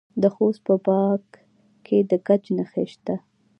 د خوست په باک کې د ګچ نښې شته.